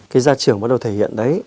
cái gia trưởng bắt đầu thể hiện đấy